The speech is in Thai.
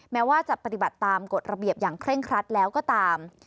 แม้ว่าจะปฏิบัติตามกฎระเบียบอย่างเคร่งครัดแล้วก็ตาม